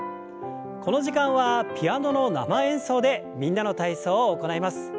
この時間はピアノの生演奏で「みんなの体操」を行います。